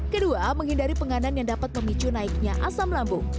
kedua menghindari penganan yang dapat memicu naiknya asam lambung